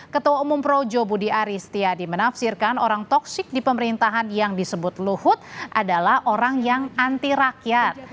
ketua umum projo budi aristiadi menafsirkan orang toksik di pemerintahan yang disebut luhut adalah orang yang anti rakyat